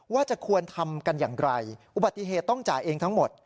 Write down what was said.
ว่าจะควรทำกันอย่างไรอุบัติเหตุต้องจ่ายเองทั้งหมด